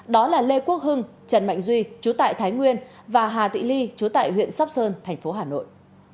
đó là lê quốc hưng trần mạnh duy chú tại thái nguyên và hà tị ly chú tại huyện sóc sơn thành phố hà nội